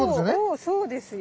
おそうですよ。